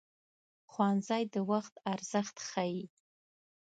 ښوونځی د وخت ارزښت ښيي